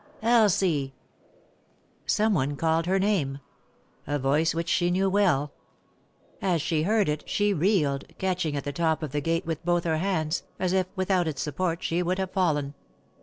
"Elsie I " Someone called her name ; a voice which she knew welL As she heard it she reeled, catching at the top of the gate with both her hands, as if, without its support she would have fallen.